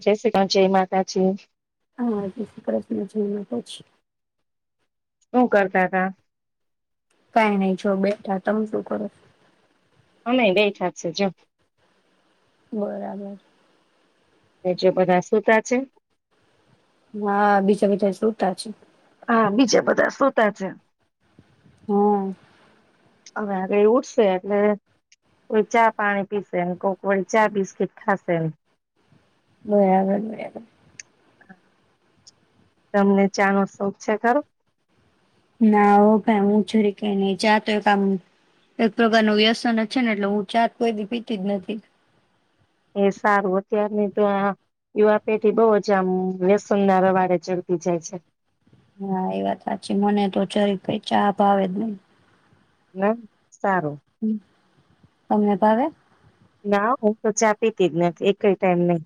જય સીકા જય માતાજી. હા જય શ્રી કૃષ્ણ જયમાં પછી? શું કરતાતા? કાંઈ નહીં જો બેઠા જો તમ શું કરો? અમેય બેઈઠા જ છે જો. બરાબર. જે બધા સૂતા છે? હાં બીજા બધા શુંતા છે. હા બીજા બધા સુતા છે. હમ. હવે આગળ એ ઉઠશે એટલે, કોઈ ચા પાણી પીસે એમ કોઈક વાળી ચા બિસ્કીટ ખાશે એમ. બરાબર બરાબર. તમને ચાનો શોખ છે ખરો? ના ઓ ભાઈ હું છોરી કઈ નહી ચા તો એક આમ એક પ્રકાર ન વ્યસન જ છે ને એટલે હું ચાત કોઈ દી‌ પીતી જ નથી. એ સારું અત્યારની તો આ, યુવા પેઢી બહ જ આમ વ્યસન ના રવાડે ચડતી જાય છે. હા એ વાત સાચી મને તો જરી કઈ ચા આવેે જ નહીં. ના સારું. તમને ભાવે? ના હું તો ચા પીતી જ નથી એ કઈ ટાઈમ નહી.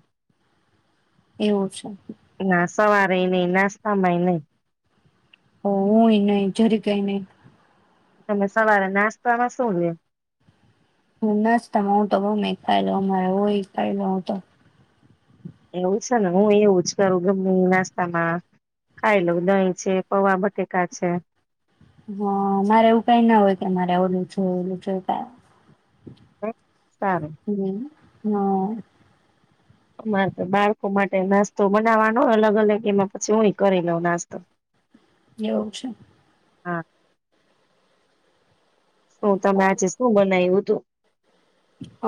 એવું છે. ના સવારે નહી નાસ્તામાંય નહી. ઓ હુંય નહ જરી કઈ નહી. તમે સવારે નાસ્તામાં શું લે? હુ નાસ્તામાં હું તો બ મખાય લો મારે હ ખાઈ લઉ હું તો. એવું છે ને હું એવું જ કરું ગમી નાસ્તામાં, ખાઈ લઉ દહીં છે પવા બટેકા છે. હા મારે એવું કઈ ના હોય કે મારે ઓલું છે ઓલું છે ક સારું હમ. હા. અમારે તો બાળકો માટે નાસ્તો બનાવાનો અલગ અલગ એમાં પછી હું કરી લઉં નાસ્તો. એવું છે. હા. શું તમે હા. આજે શું બનાવ્યું? તો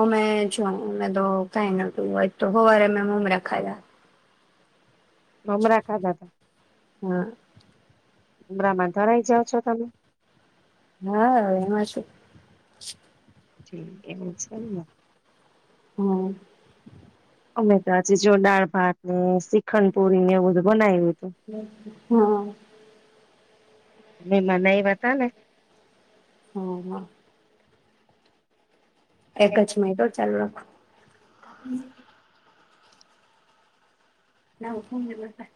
અમે જો અમે તો કઈ નોતું હોય તો હોવારે મે મમરા ખાયા. મમરા ખાધા? હા ઉમરાહમાં ધરાઈ જાઓ છો તમે? હા એમાં છ જી. એવું છેમ‌ ને. હમ અમે તો આજે જો દાળ ભાત ને સીખંડપુરી ને એવું બધું બનાય્વુ. હાં. મેમાન આયવા તા ને. હં આ એક જ મિનિટ‌ હો‌ ચાલુ રાખો. નવ ભૂ [unintelligible]